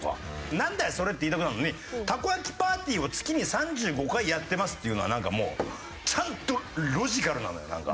「なんだよそれ」って言いたくなるのに「たこ焼きパーティーを月に３５回やってます」っていうのはなんかもうちゃんとロジカルなのよなんか。